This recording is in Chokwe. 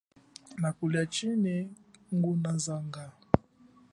Na kulia chize ngunazanga.